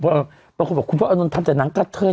บางคนบอกคุณพ่ออานนท์ทำแต่หนังกะเทย